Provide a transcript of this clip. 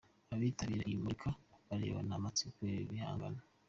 Abitabiriye iri murika barebana amatsiko ibi bihangano.